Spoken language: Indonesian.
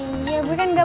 ini tuh maksudnya